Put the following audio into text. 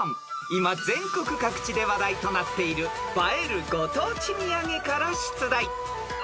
［今全国各地で話題となっている映えるご当地土産から出題］